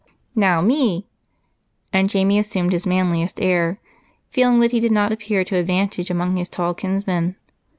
"Now me!" and Jamie assumed his manliest air, feeling that he did not appear to advantage among his tall kinsmen.